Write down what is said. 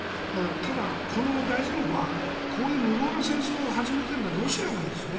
ただ、この大事なのはこういう無謀な戦争を始めているのはロシアなんですね。